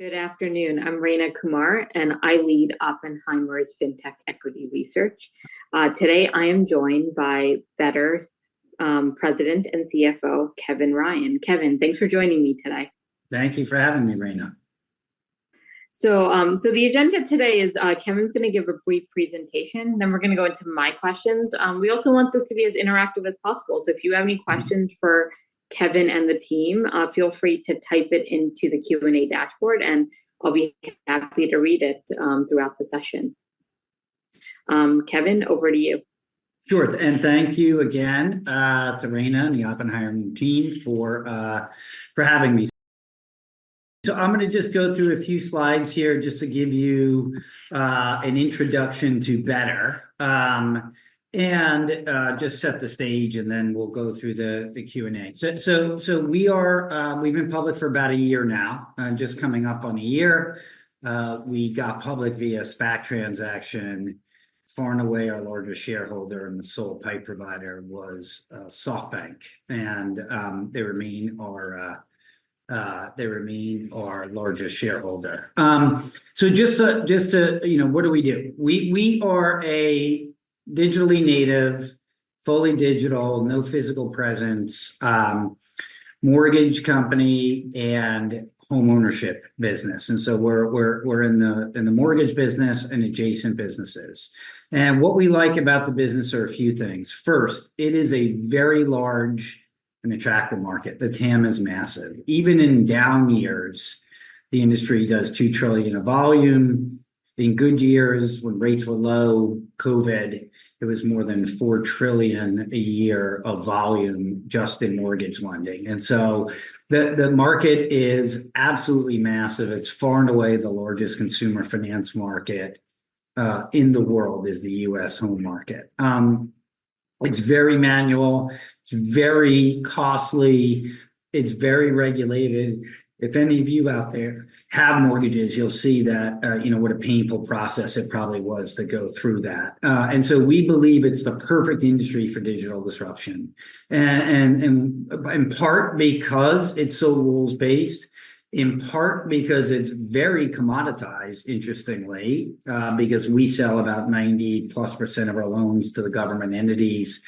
Good afternoon. I'm Rayna Kumar, and I lead Oppenheimer's Fintech Equity Research. Today, I am joined by Better President and CFO, Kevin Ryan. Kevin, thanks for joining me today. Thank you for having me, Rayna. So, the agenda today is, Kevin's gonna give a brief presentation, then we're gonna go into my questions. We also want this to be as interactive as possible, so if you have any questions for Kevin and the team, feel free to type it into the Q&A dashboard, and I'll be happy to read it throughout the session. Kevin, over to you. Sure. And thank you again to Rayna and the Oppenheimer team for having me. So I'm gonna just go through a few slides here just to give you an introduction to Better, and just set the stage, and then we'll go through the Q&A. So we've been public for about a year now, just coming up on a year. We got public via SPAC transaction. Far and away, our largest shareholder and the sole PIPE provider was SoftBank, and they remain our largest shareholder. So just to, you know, what do we do? We are a digitally native, fully digital, no physical presence, mortgage company and homeownership business, and so we're in the mortgage business and adjacent businesses. What we like about the business are a few things. First, it is a very large and attractive market. The TAM is massive. Even in down years, the industry does $2 trillion in volume. In good years, when rates were low, COVID, it was more than $4 trillion a year of volume just in mortgage lending. And so the market is absolutely massive. It's far and away the largest consumer finance market in the world, is the U.S. home market. It's very manual, it's very costly, it's very regulated. If any of you out there have mortgages, you'll see that, you know, what a painful process it probably was to go through that. And so we believe it's the perfect industry for digital disruption. In part, because it's so rules-based, in part because it's very commoditized, interestingly, because we sell about 90-plus% of our loans to the government entities.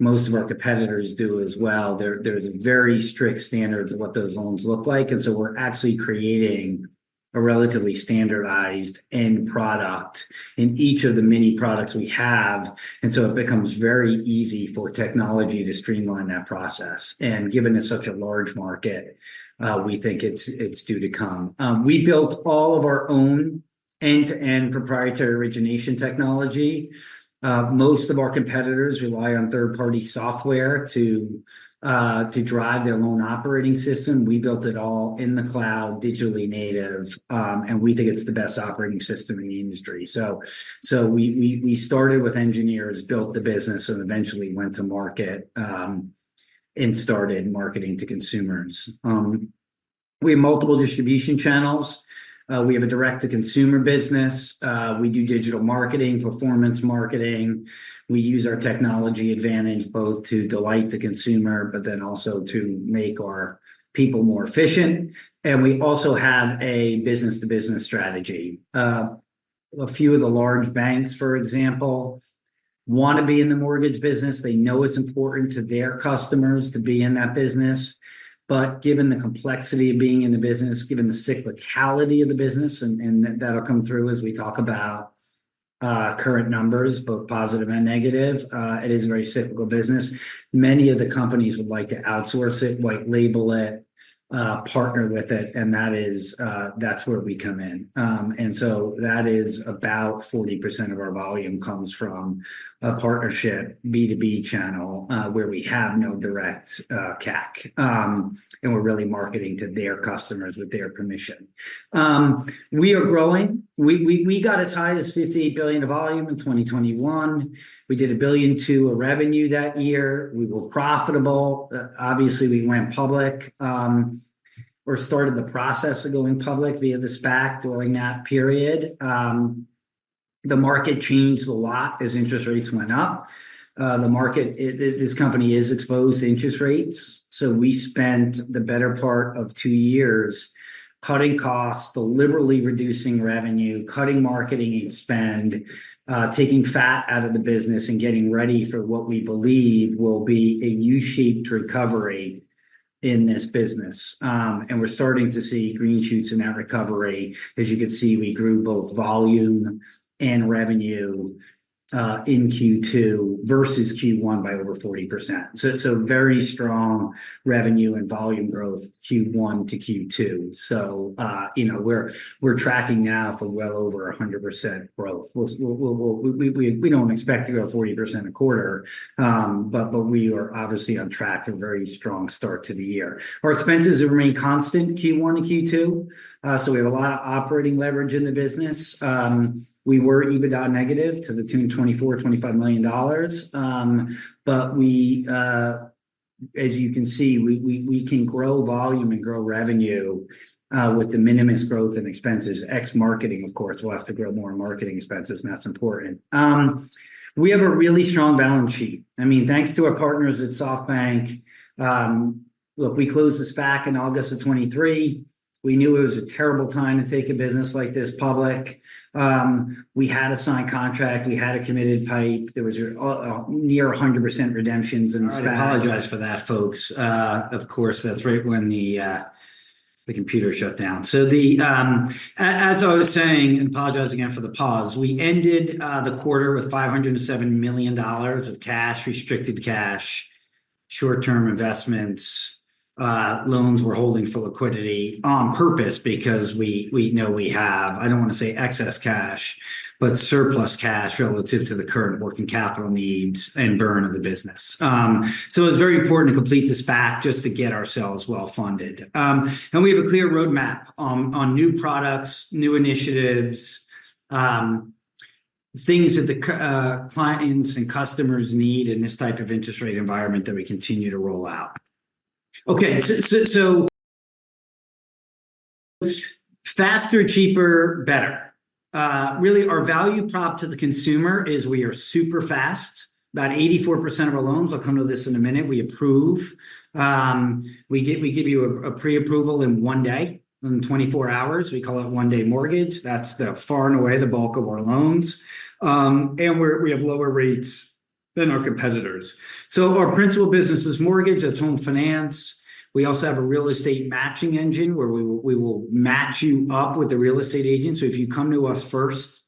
Most of our competitors do as well. There's very strict standards of what those loans look like, and so we're actually creating a relatively standardized end product in each of the many products we have, and so it becomes very easy for technology to streamline that process. Given it's such a large market, we think it's due to come. We built all of our own end-to-end proprietary origination technology. Most of our competitors rely on third-party software to drive their loan operating system. We built it all in the cloud, digitally native, and we think it's the best operating system in the industry. So we started with engineers, built the business, and eventually went to market and started marketing to consumers. We have multiple distribution channels. We have a direct-to-consumer business. We do digital marketing, performance marketing. We use our technology advantage both to delight the consumer, but then also to make our people more efficient, and we also have a business-to-business strategy. A few of the large banks, for example, want to be in the mortgage business. They know it's important to their customers to be in that business, but given the complexity of being in the business, given the cyclicality of the business, and that'll come through as we talk about current numbers, both positive and negative, it is a very cyclical business. Many of the companies would like to outsource it, white label it, partner with it, and that is, that's where we come in. And so that is about 40% of our volume comes from a partnership, B2B channel, where we have no direct CAC, and we're really marketing to their customers with their permission. We are growing. We got as high as $58 billion of volume in 2021. We did $1.2 billion of revenue that year. We were profitable. Obviously, we went public, or started the process of going public via the SPAC during that period. The market changed a lot as interest rates went up. The market, this company is exposed to interest rates, so we spent the better part of two years cutting costs, deliberately reducing revenue, cutting marketing spend, taking fat out of the business, and getting ready for what we believe will be a U-shaped recovery in this business. And we're starting to see green shoots in that recovery. As you can see, we grew both volume and revenue in Q2 versus Q1 by over 40%. So very strong revenue and volume growth, Q1 to Q2. So, you know, we're tracking now for well over 100% growth. We don't expect to go 40% a quarter, but we are obviously on track, a very strong start to the year. Our expenses have remained constant, Q1 to Q2, so we have a lot of operating leverage in the business. We were EBITDA negative to the tune of $24-$25 million, but as you can see, we can grow volume and grow revenue with the minimal growth in expenses, ex marketing, of course. We'll have to grow more in marketing expenses, and that's important. We have a really strong balance sheet. I mean, thanks to our partners at SoftBank, look, we closed the SPAC in August of 2023. We knew it was a terrible time to take a business like this public. We had a signed contract. We had a committed PIPE. There was nearly 100% redemptions in SPAC. I apologize for that, folks. Of course, that's right when the computer shut down. So, as I was saying, and apologize again for the pause, we ended the quarter with $507 million of cash, restricted cash, short-term investments, loans we're holding for liquidity on purpose because we know we have, I don't want to say excess cash, but surplus cash relative to the current working capital needs and burn of the business. So it's very important to complete this SPAC just to get ourselves well-funded. And we have a clear roadmap on new products, new initiatives, things that the clients and customers need in this type of interest rate environment that we continue to roll out. Okay, so faster, cheaper, better. Really, our value prop to the consumer is we are super fast. About 84% of our loans, I'll come to this in a minute, we approve. We give you a pre-approval in one day, in 24 hours. We call it One Day Mortgage. That's the far and away the bulk of our loans. We have lower rates than our competitors. So our principal business is mortgage, that's home finance. We also have a real estate matching engine, where we will match you up with a real estate agent. So if you come to us first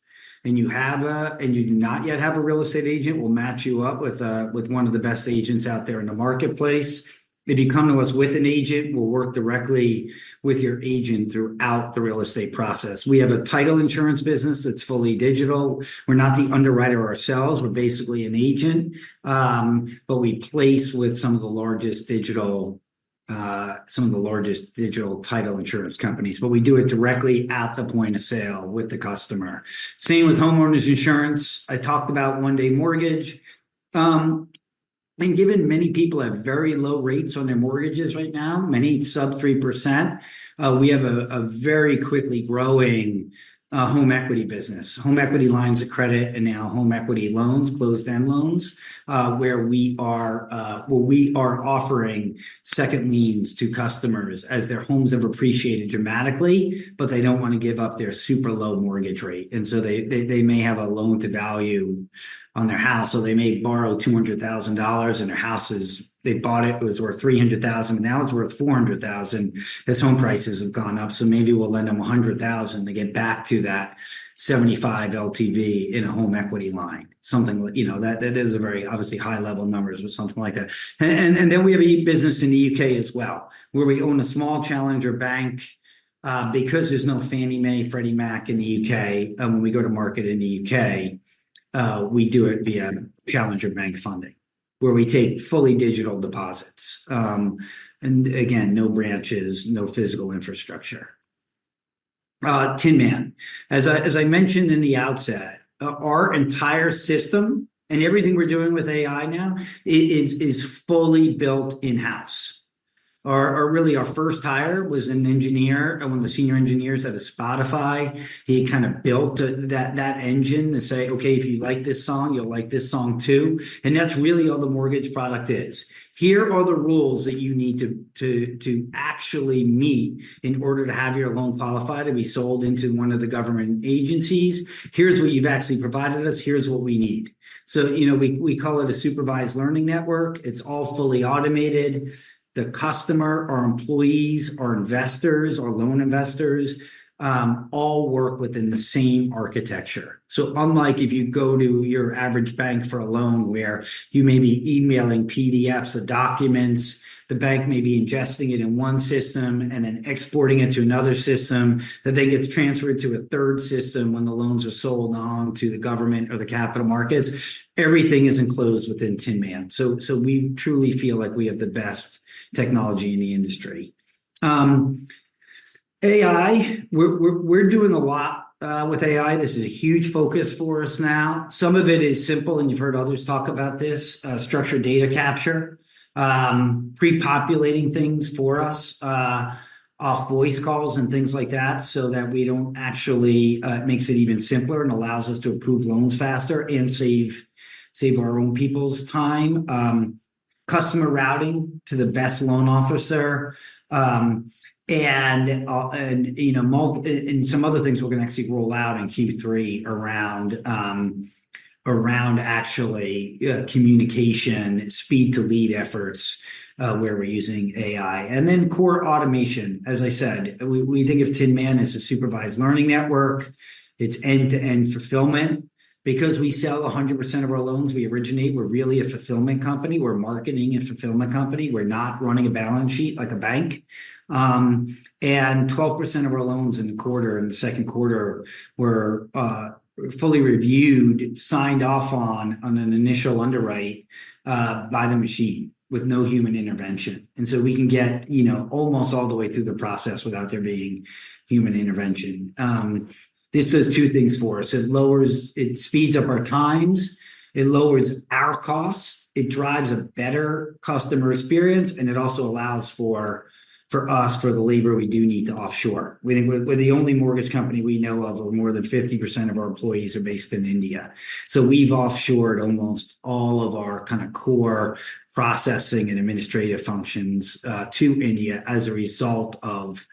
and you do not yet have a real estate agent, we'll match you up with one of the best agents out there in the marketplace. If you come to us with an agent, we'll work directly with your agent throughout the real estate process. We have a title insurance business that's fully digital. We're not the underwriter ourselves. We're basically an agent, but we place with some of the largest digital title insurance companies, but we do it directly at the point of sale with the customer. Same with homeowners insurance. I talked about One-Day Mortgage. And given many people have very low rates on their mortgages right now, many sub 3%, we have a very quickly growing home equity business. Home equity lines of credit, and now home equity loans, closed-end loans, where we are offering second liens to customers as their homes have appreciated dramatically, but they don't want to give up their super low mortgage rate. And so they may have a loan to value on their house, so they may borrow $200,000, and their house is, they bought it, it was worth $300,000. Now, it's worth $400,000, as home prices have gone up. So maybe we'll lend them $100,000 to get back to that 75 LTV in a home equity line, something like, you know, that is a very obviously high-level numbers, but something like that. And then we have a e-business in the U.K. as well, where we own a small challenger bank. Because there's no Fannie Mae, Freddie Mac in the U.K., when we go to market in the U.K., we do it via challenger bank funding, where we take fully digital deposits. And again, no branches, no physical infrastructure. Tinman. As I mentioned in the outset, our entire system and everything we're doing with AI now is fully built in-house. Our first hire was an engineer, one of the senior engineers out of Spotify. He kind of built that engine to say, "Okay, if you like this song, you'll like this song, too." And that's really all the mortgage product is. Here are the rules that you need to actually meet in order to have your loan qualified to be sold into one of the government agencies. Here's what you've actually provided us. Here's what we need. So, you know, we call it a supervised learning network. It's all fully automated. The customer, our employees, our investors, our loan investors, all work within the same architecture. So unlike if you go to your average bank for a loan, where you may be emailing PDFs of documents, the bank may be ingesting it in one system and then exporting it to another system, that then gets transferred to a third system when the loans are sold on to the government or the capital markets. Everything is enclosed within Tinman. So we truly feel like we have the best technology in the industry. AI, we're doing a lot with AI. This is a huge focus for us now. Some of it is simple, and you've heard others talk about this, structured data capture, pre-populating things for us off voice calls and things like that, so that we don't actually makes it even simpler and allows us to approve loans faster and save our own people's time. Customer routing to the best loan officer, and, you know, and some other things we're gonna actually roll out in Q3 around actually communication, speed to lead efforts, where we're using AI. And then core automation, as I said, we think of Tinman as a supervised learning network. It's end-to-end fulfillment. Because we sell 100% of our loans we originate, we're really a fulfillment company. We're a marketing and fulfillment company. We're not running a balance sheet like a bank. And 12% of our loans in the quarter, in the Q2, were fully reviewed, signed off on an initial underwrite by the machine with no human intervention. And so we can get, you know, almost all the way through the process without there being human intervention. This does two things for us. It speeds up our times, it lowers our costs, it drives a better customer experience, and it also allows for us, for the labor we do need to offshore. We think we're the only mortgage company we know of, where more than 50% of our employees are based in India. So we've offshored almost all of our kind of core processing and administrative functions to India as a result of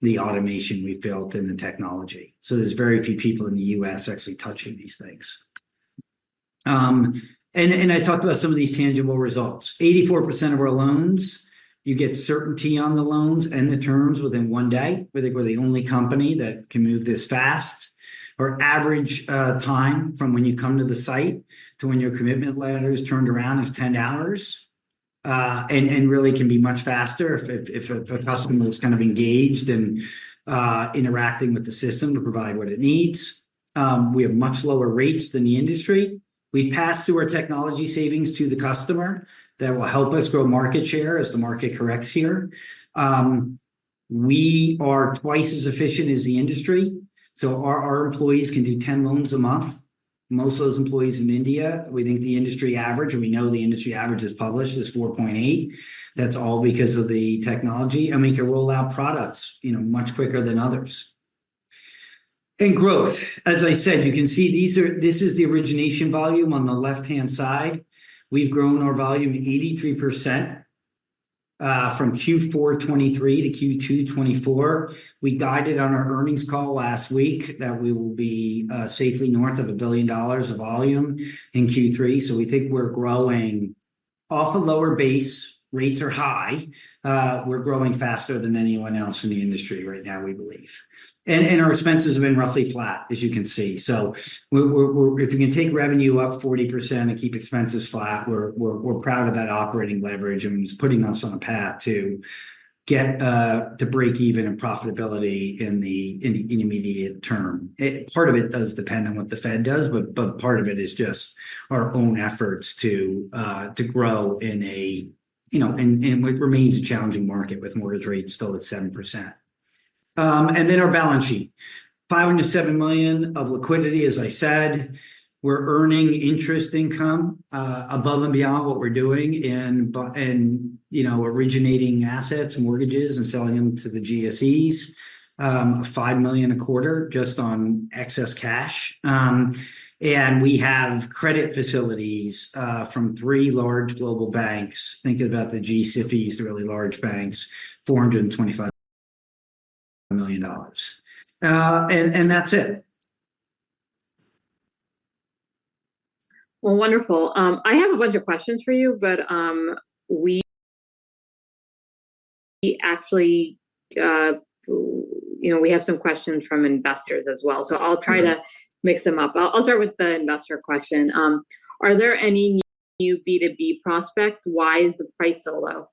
the automation we've built and the technology. So there's very few people in the U.S. actually touching these things. I talked about some of these tangible results. 84% of our loans, you get certainty on the loans and the terms within one day. We think we're the only company that can move this fast. Our average time from when you come to the site to when your commitment letter is turned around is 10 hours. And really can be much faster if a customer is kind of engaged and interacting with the system to provide what it needs. We have much lower rates than the industry. We pass through our technology savings to the customer. That will help us grow market share as the market corrects here. We are twice as efficient as the industry, so our employees can do 10 loans a month. Most of those employees in India, we think the industry average, and we know the industry average is published, is 4.8. That's all because of the technology, and we can roll out products, you know, much quicker than others. Growth, as I said, you can see this is the origination volume on the left-hand side. We've grown our volume 83%, from Q4 2023 to Q2 2024. We guided on our earnings call last week that we will be safely north of $1 billion of volume in Q3, so we think we're growing. Off a lower base, rates are high. We're growing faster than anyone else in the industry right now, we believe. And our expenses have been roughly flat, as you can see. So we're, if we can take revenue up 40% and keep expenses flat, we're proud of that operating leverage, and it's putting us on a path to get to break even in profitability in the immediate term. Part of it does depend on what the Fed does, but part of it is just our own efforts to grow in a, you know, in what remains a challenging market, with mortgage rates still at 7%. And then our balance sheet. $507 million of liquidity, as I said. We're earning interest income above and beyond what we're doing in, you know, originating assets and mortgages and selling them to the GSEs. $5 million a quarter just on excess cash. And we have credit facilities from three large global banks. Think about the G-SIFIs, the really large banks, $425 million. And that's it. Well, wonderful. I have a bunch of questions for you, but we actually, you know, we have some questions from investors as well. I'll try to mix them up. I'll start with the investor question. Are there any new B2B prospects? Why is the price so low?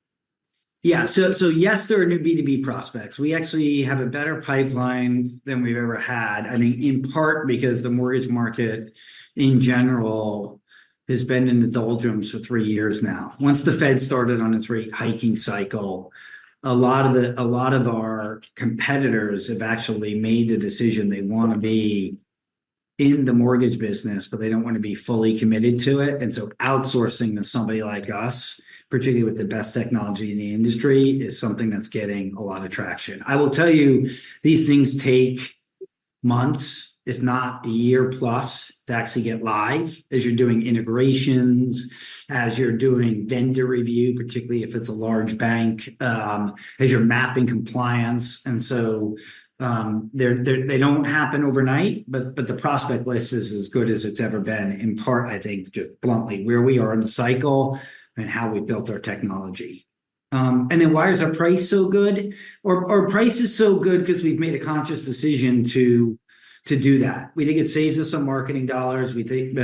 Yeah. So, so yes, there are new B2B prospects. We actually have a better pipeline than we've ever had, I think in part because the mortgage market in general has been in the doldrums for three years now. Once the Fed started on its rate hiking cycle, a lot of the, a lot of our competitors have actually made the decision they want to be in the mortgage business, but they don't want to be fully committed to it, and so outsourcing to somebody like us, particularly with the best technology in the industry, is something that's getting a lot of traction. I will tell you, these things take months, if not a year plus, to actually get live, as you're doing integrations, as you're doing vendor review, particularly if it's a large bank, as you're mapping compliance, and so, they're, they don't happen overnight. But the prospect list is as good as it's ever been, in part, I think, just bluntly, where we are in the cycle and how we've built our technology. And then why is our price so good? Our price is so good because we've made a conscious decision to do that. We think it saves us some marketing dollars. We think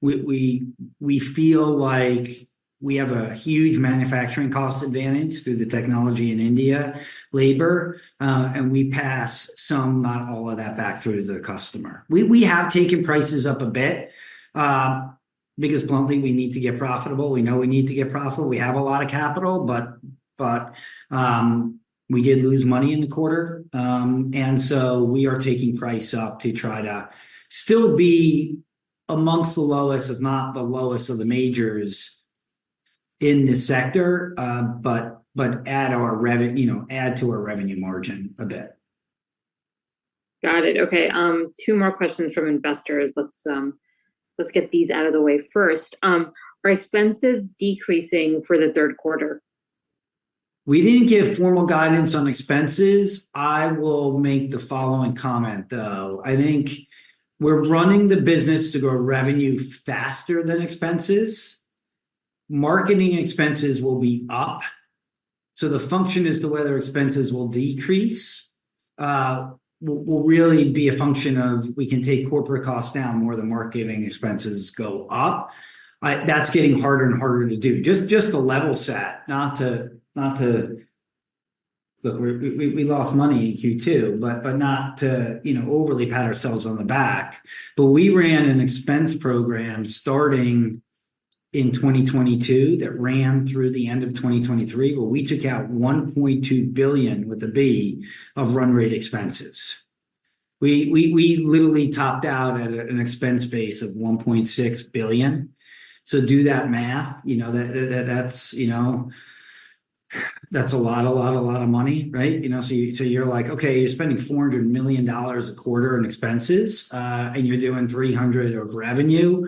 we feel like we have a huge manufacturing cost advantage through the technology in India labor, and we pass some, not all of that, back through to the customer. We have taken prices up a bit, because bluntly, we need to get profitable. We know we need to get profitable. We have a lot of capital, but we did lose money in the quarter. We are taking price up to try to still be among the lowest, if not the lowest, of the majors in the sector, but add our revenue, you know, add to our revenue margin a bit. Got it. Okay, two more questions from investors. Let's get these out of the way first. Are expenses decreasing for the Q3? We didn't give formal guidance on expenses. I will make the following comment, though. I think we're running the business to grow revenue faster than expenses. Marketing expenses will be up, so the function as to whether expenses will decrease will really be a function of we can take corporate costs down more than marketing expenses go up. That's getting harder and harder to do. Just to level set, not to... Look, we lost money in Q2, but not to, you know, overly pat ourselves on the back, but we ran an expense program starting in 2022, that ran through the end of 2023, where we took out $1.2 billion, with a B, of run rate expenses. We literally topped out at an expense base of $1.6 billion. So do that math. You know, that's, you know, that's a lot, a lot, a lot of money, right? You know, you're like, okay, you're spending $400 million a quarter on expenses, and you're doing $300 million of revenue.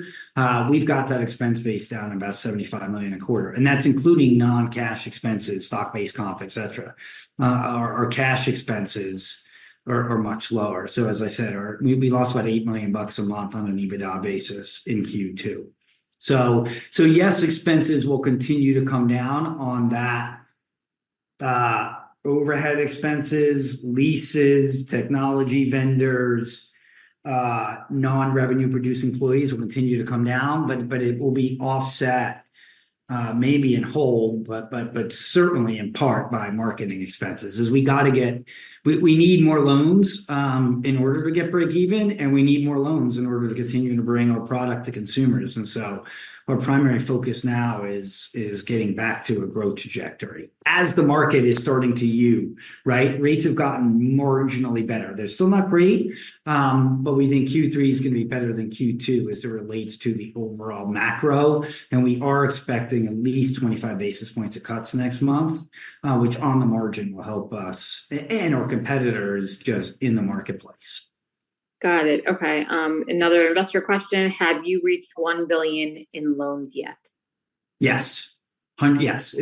We've got that expense base down about $75 million a quarter, and that's including non-cash expenses, stock-based comp, et cetera. Our cash expenses are much lower. So as I said, we lost about $8 million bucks a month on an EBITDA basis in Q2. Yes, expenses will continue to come down on that-... Overhead expenses, leases, technology vendors, non-revenue producing employees will continue to come down, but it will be offset, maybe in whole, but certainly in part by marketing expenses, as we need more loans in order to get breakeven, and we need more loans in order to continue to bring our product to consumers. And so our primary focus now is getting back to a growth trajectory as the market is starting to turn, right? Rates have gotten marginally better. They're still not great, but we think Q3 is gonna be better than Q2 as it relates to the overall macro, and we are expecting at least 25 basis points of cuts next month, which on the margin will help us and our competitors just in the marketplace. Got it. Okay, another investor question: Have you reached $1 billion in loans yet? Yes. Yes.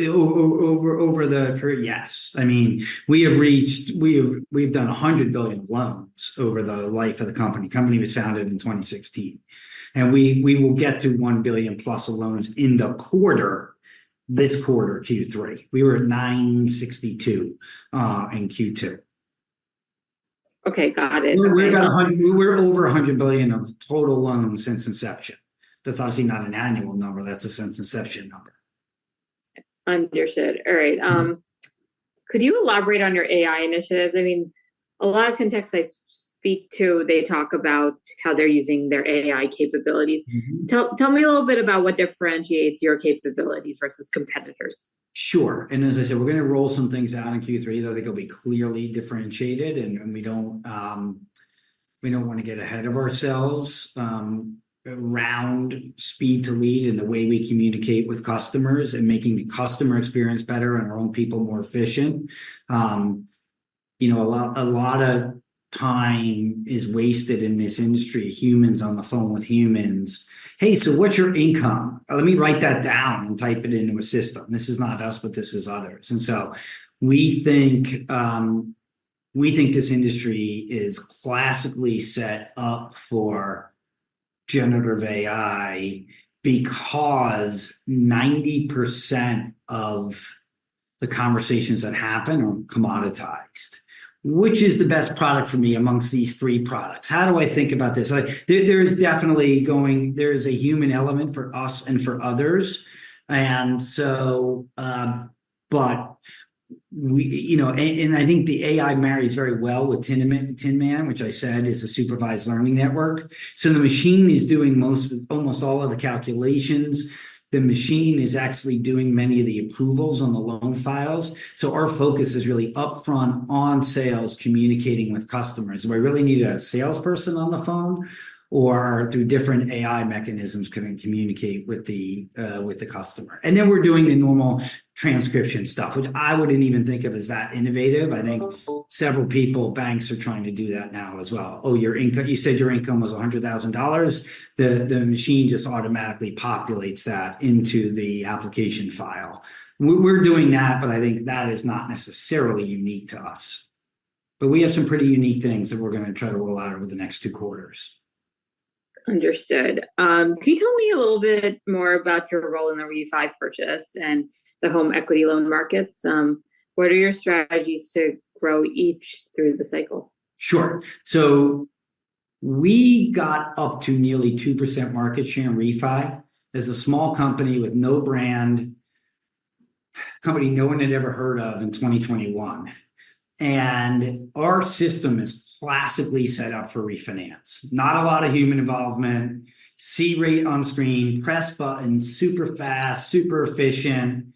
I mean, we have reached—we have, we've done $100 billion of loans over the life of the company. Company was founded in 2016, and we, we will get to $1 billion-plus of loans in the quarter, this quarter, Q3. We were at $962 million in Q2. Okay, got it. We're over $100 billion of total loans since inception. That's obviously not an annual number. That's a since inception number. Understood. All right, could you elaborate on your AI initiatives? I mean, a lot of fintechs I speak to, they talk about how they're using their AI capabilities. Tell me a little bit about what differentiates your capabilities versus competitors? Sure. And as I said, we're gonna roll some things out in Q3 that I think will be clearly differentiated, and we don't wanna get ahead of ourselves. Around speed to lead and the way we communicate with customers and making the customer experience better and our own people more efficient. You know, a lot of time is wasted in this industry, humans on the phone with humans. "Hey, so what's your income? Let me write that down and type it into a system." This is not us, but this is others, and so we think this industry is classically set up for generative AI because 90% of the conversations that happen are commoditized. Which is the best product for me amongst these three products? How do I think about this? Like, there is definitely a human element for us and for others, and so. But we, you know, I think the AI marries very well with Tinman, Tinman, which I said is a supervised learning network. So the machine is doing most, almost all of the calculations. The machine is actually doing many of the approvals on the loan files, so our focus is really upfront on sales, communicating with customers. Do I really need a salesperson on the phone, or through different AI mechanisms, can we communicate with the customer? And then we're doing the normal transcription stuff, which I wouldn't even think of as that innovative. I think several people, banks, are trying to do that now as well. "Oh, your income, you said your income was $100,000?" The machine just automatically populates that into the application file. We're doing that, but I think that is not necessarily unique to us. But we have some pretty unique things that we're gonna try to roll out over the next two quarters. Understood. Can you tell me a little bit more about your role in the refi purchase and the home equity loan markets? What are your strategies to grow each through the cycle? Sure. So we got up to nearly 2% market share in refi as a small company with no brand, company no one had ever heard of in 2021. Our system is classically set up for refinance. Not a lot of human involvement, see rate on screen, press button, super fast, super efficient.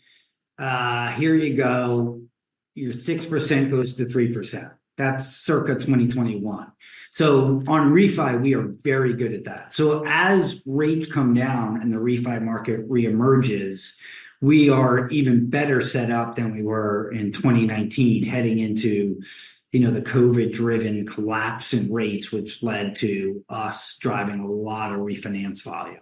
Here you go. Your 6% goes to 3%. That's circa 2021. So on refi, we are very good at that. So as rates come down and the refi market reemerges, we are even better set up than we were in 2019, heading into, you know, the COVID-driven collapse in rates, which led to us driving a lot of refinance volume.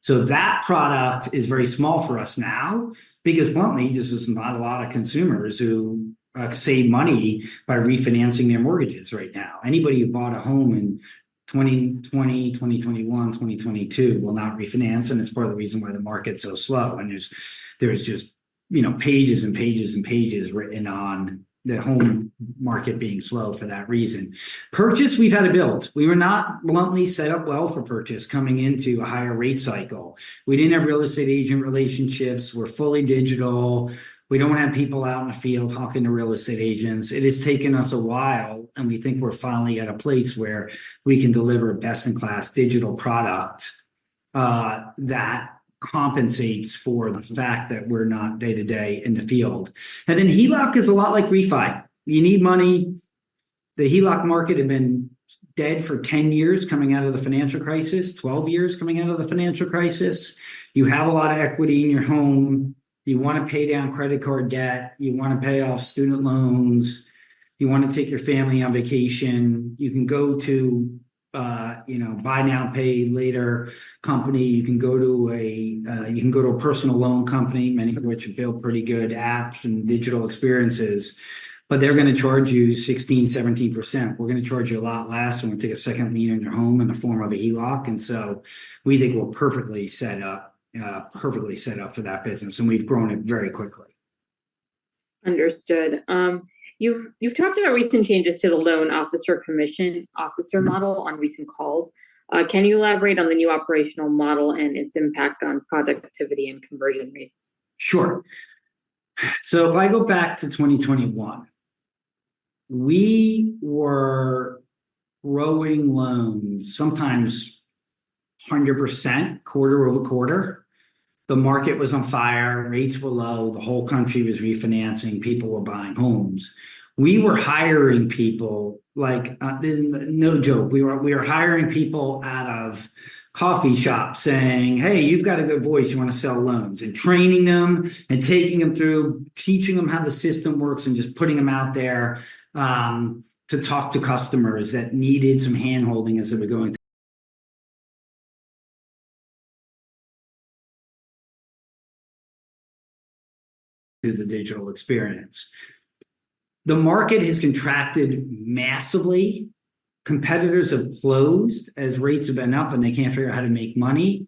So that product is very small for us now because, bluntly, there's just not a lot of consumers who can save money by refinancing their mortgages right now. Anybody who bought a home in 2020, 2021, 2022, will not refinance, and it's part of the reason why the market's so slow. And there's just, you know, pages and pages and pages written on the home market being slow for that reason. Purchase, we've had to build. We were not bluntly set up well for purchase coming into a higher rate cycle. We didn't have real estate agent relationships. We're fully digital. We don't have people out in the field talking to real estate agents. It has taken us a while, and we think we're finally at a place where we can deliver a best-in-class digital product, that compensates for the fact that we're not day-to-day in the field. And then HELOC is a lot like refi. You need money. The HELOC market had been dead for 10 years coming out of the financial crisis, 12 years coming out of the financial crisis. You have a lot of equity in your home. You wanna pay down credit card debt. You wanna pay off student loans. You wanna take your family on vacation. You can go to, you know, buy now, pay later company. You can go to a, you can go to a personal loan company, many of which build pretty good apps and digital experiences, but they're gonna charge you 16%, 17%. We're gonna charge you a lot less when we take a second lien on your home in the form of a HELOC, and so we think we're perfectly set up, perfectly set up for that business, and we've grown it very quickly.... Understood. You've, you've talked about recent changes to the loan officer commission model on recent calls. Can you elaborate on the new operational model and its impact on productivity and conversion rates? Sure. So if I go back to 2021, we were growing loans, sometimes 100% quarter-over-quarter. The market was on fire, rates were low, the whole country was refinancing, people were buying homes. We were hiring people like, no joke, we were hiring people out of coffee shops saying: "Hey, you've got a good voice, you wanna sell loans?" And training them and taking them through, teaching them how the system works, and just putting them out there, to talk to customers that needed some handholding as they were going through the digital experience. The market has contracted massively. Competitors have closed as rates have been up, and they can't figure out how to make money.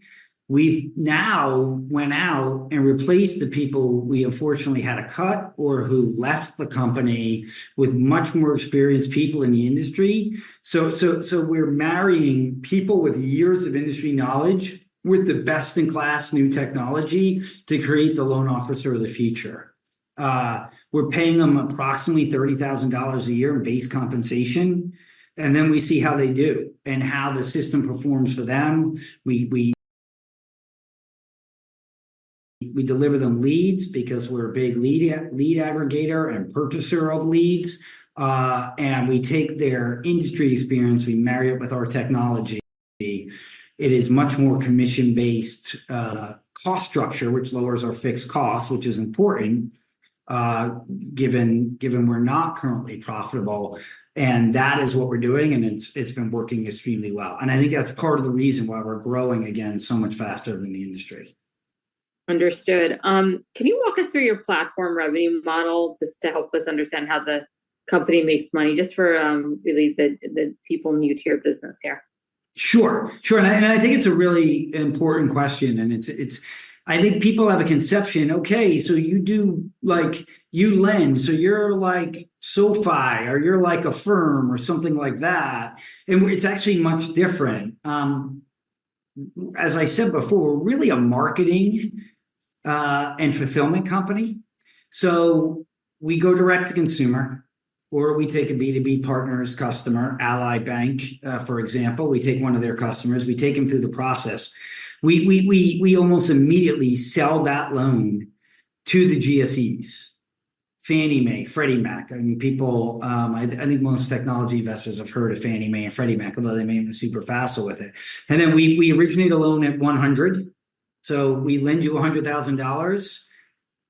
We've now went out and replaced the people we unfortunately had to cut or who left the company with much more experienced people in the industry. We're marrying people with years of industry knowledge, with the best-in-class new technology to create the loan officer of the future. We're paying them approximately $30,000 a year in base compensation, and then we see how they do and how the system performs for them. We deliver them leads because we're a big lead aggregator and purchaser of leads. And we take their industry experience, we marry it with our technology. It is much more commission-based cost structure, which lowers our fixed costs, which is important, given we're not currently profitable. And that is what we're doing, and it's been working extremely well. And I think that's part of the reason why we're growing again, so much faster than the industry. Understood. Can you walk us through your platform revenue model, just to help us understand how the company makes money, just for, really the people new to your business here? Sure, sure. I think it's a really important question, and it's- I think people have a conception, okay, so you do like... You lend, so you're like SoFi, or you're like Affirm or something like that, and it's actually much different. As I said before, we're really a marketing and fulfillment company. So we go direct to consumer, or we take a B2B partner's customer, Ally Bank, for example. We take one of their customers, we take them through the process. We almost immediately sell that loan to the GSEs, Fannie Mae, Freddie Mac. I mean, people, I think most technology investors have heard of Fannie Mae and Freddie Mac, although they may even be superficial with it. And then we originate a loan at 100. So we lend you $100,000.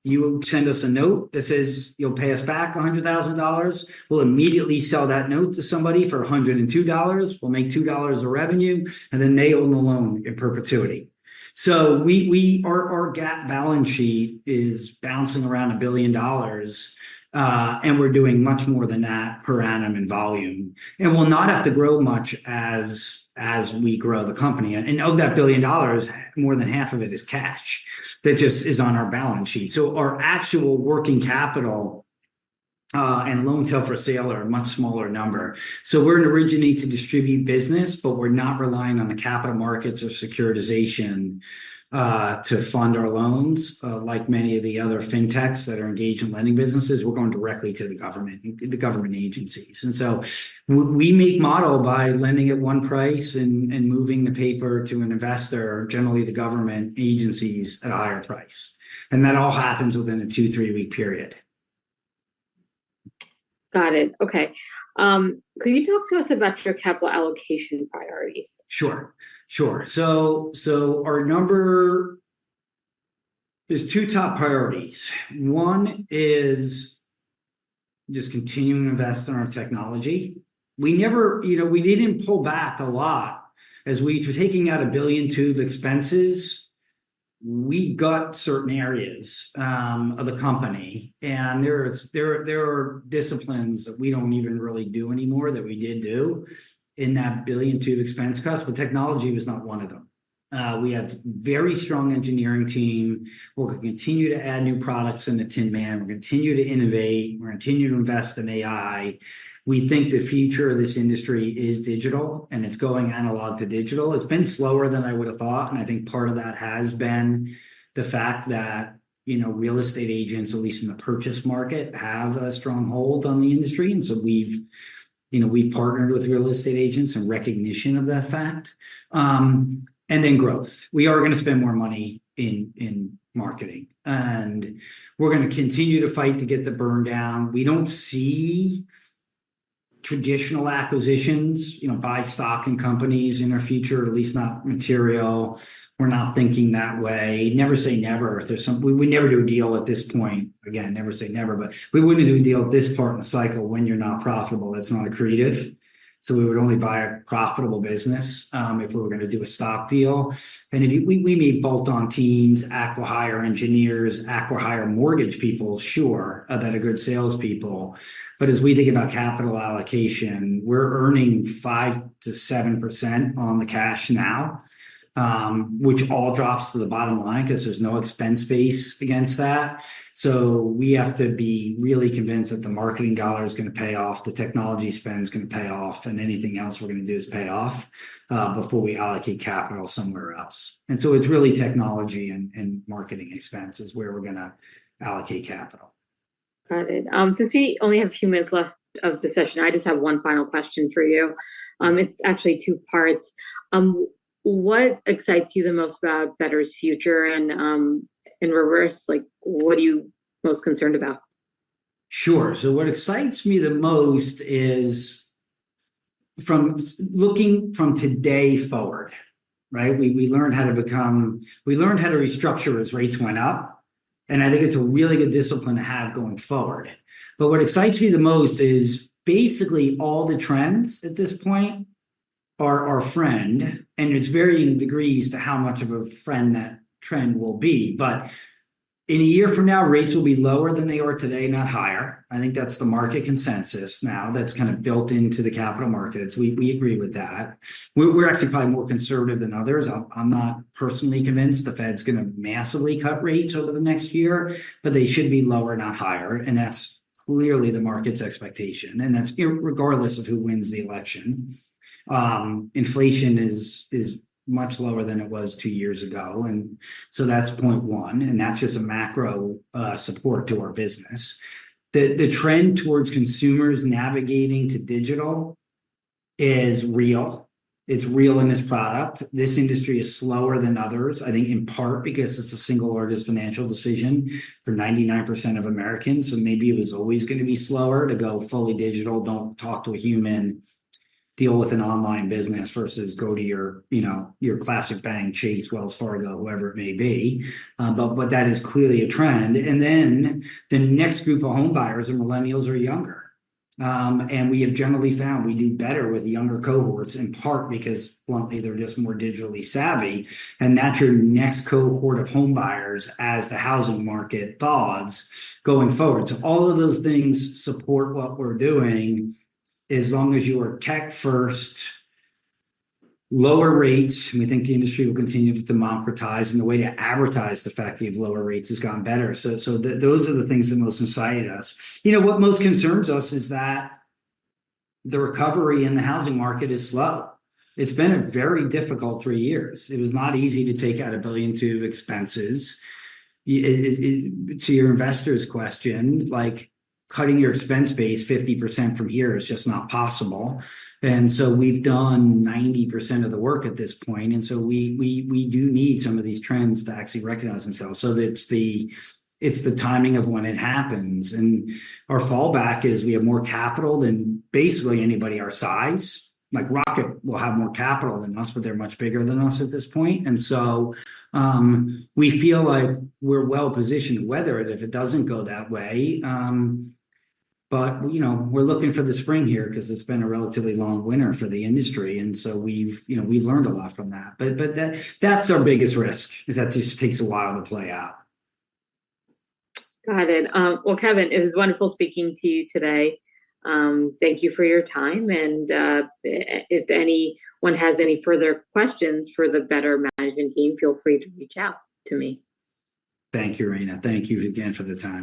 You send us a note that says you'll pay us back $100,000. We'll immediately sell that note to somebody for $102. We'll make $2 of revenue, and then they own the loan in perpetuity. So our GAAP balance sheet is bouncing around $1 billion, and we're doing much more than that per annum in volume. And we'll not have to grow much as we grow the company. And of that $1 billion, more than half of it is cash that just is on our balance sheet. So our actual working capital and loans held for sale are a much smaller number. So we're an originate-to-distribute business, but we're not relying on the capital markets or securitization to fund our loans. Like many of the other fintechs that are engaged in lending businesses, we're going directly to the government, the government agencies. And so we make money by lending at one price and moving the paper to an investor, generally the government agencies, at a higher price. And that all happens within a 2-3-week period. Got it. Okay. Could you talk to us about your capital allocation priorities? Sure, sure. So our number... There's two top priorities. One is just continuing to invest in our technology. We never, you know, we didn't pull back a lot as we were taking out $1.2 billion of expenses. We got certain areas of the company, and there are disciplines that we don't even really do anymore, that we did do in that $1.2 billion expense cost, but technology was not one of them. We have very strong engineering team. We'll continue to add new products in the Tinman. We're continue to innovate, we're continue to invest in AI. We think the future of this industry is digital, and it's going analog to digital. It's been slower than I would have thought, and I think part of that has been the fact that, you know, real estate agents, at least in the purchase market, have a strong hold on the industry. And so we've, you know, we've partnered with real estate agents in recognition of that fact. And then growth. We are gonna spend more money in marketing, and we're gonna continue to fight to get the burn down. We don't see traditional acquisitions, you know, buy stock in companies in our future, or at least not material. We're not thinking that way. Never say never, we would never do a deal at this point. Again, never say never, but we wouldn't do a deal at this part in the cycle when you're not profitable. It's not accretive. So we would only buy a profitable business if we were gonna do a stock deal. And if we, we may bolt on teams, acqui-hire engineers, acqui-hire mortgage people, sure, that are good salespeople. But as we think about capital allocation, we're earning 5%-7% on the cash now, which all drops to the bottom line 'cause there's no expense base against that. So we have to be really convinced that the marketing dollar is gonna pay off, the technology spend is gonna pay off, and anything else we're gonna do is pay off before we allocate capital somewhere else. And so it's really technology and marketing expense is where we're gonna allocate capital. ... Got it. Since we only have a few minutes left of the session, I just have one final question for you. It's actually two parts. What excites you the most about Better's future, and, in reverse, like, what are you most concerned about? Sure. So what excites me the most is from looking from today forward, right? We learned how to restructure as rates went up, and I think it's a really good discipline to have going forward. But what excites me the most is basically all the trends at this point are our friend, and it's varying degrees to how much of a friend that trend will be. But in a year from now, rates will be lower than they are today, not higher. I think that's the market consensus now. That's kind of built into the capital markets. We agree with that. We're actually probably more conservative than others. I'm not personally convinced the Fed's gonna massively cut rates over the next year, but they should be lower, not higher, and that's clearly the market's expectation, and that's irregardless of who wins the election. Inflation is much lower than it was 2 years ago, and so that's point one, and that's just a macro support to our business. The trend towards consumers navigating to digital is real. It's real in this product. This industry is slower than others, I think in part because it's the single largest financial decision for 99% of Americans, so maybe it was always gonna be slower to go fully digital, don't talk to a human, deal with an online business versus go to your, you know, your classic bank, Chase, Wells Fargo, whoever it may be. But that is clearly a trend. Then the next group of home buyers are millennials or younger. We have generally found we do better with the younger cohorts, in part because, bluntly, they're just more digitally savvy, and that's your next cohort of home buyers as the housing market thaws going forward. So all of those things support what we're doing as long as you are tech first. Lower rates, we think the industry will continue to democratize, and the way to advertise the fact that you have lower rates has gotten better. So, those are the things that most excite us. You know, what most concerns us is that the recovery in the housing market is slow. It's been a very difficult three years. It was not easy to take out $1.2 billion of expenses. To your investor's question, like, cutting your expense base 50% from here is just not possible. And so we've done 90% of the work at this point, and so we do need some of these trends to actually recognize themselves. So it's the timing of when it happens, and our fallback is we have more capital than basically anybody our size. Like, Rocket will have more capital than us, but they're much bigger than us at this point. And so we feel like we're well-positioned to weather it if it doesn't go that way. But you know, we're looking for the spring here 'cause it's been a relatively long winter for the industry, and so we've, you know, we've learned a lot from that. But that's our biggest risk, is that just takes a while to play out. Got it. Well, Kevin, it was wonderful speaking to you today. Thank you for your time, and if anyone has any further questions for the Better management team, feel free to reach out to me. Thank you, Rayna. Thank you again for the time.